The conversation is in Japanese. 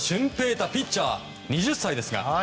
大ピッチャー、２０歳ですが。